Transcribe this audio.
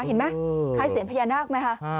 เห็นไหมใครเสียงพญานาคมั้ยคะ